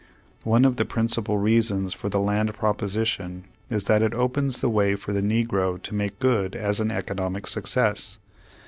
One of the principal reasons for the land proposition is that it opens the way for the negro to make good as an economic success.